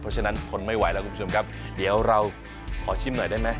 เพราะฉะนั้นทนไม่ไหวแล้วคุณผู้ชมครับเดี๋ยวเราขอชิมหน่อยได้ไหม